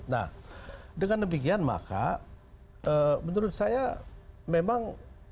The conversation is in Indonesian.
nah dengan demikian maka menurut saya memang